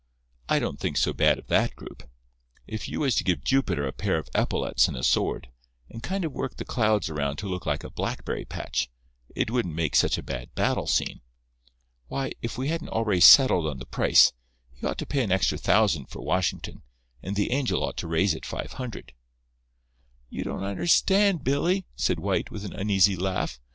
I don't think so bad of that group. If you was to give Jupiter a pair of epaulets and a sword, and kind of work the clouds around to look like a blackberry patch, it wouldn't make such a bad battle scene. Why, if we hadn't already settled on the price, he ought to pay an extra thousand for Washington, and the angel ought to raise it five hundred." "You don't understand, Billy," said White, with an uneasy laugh.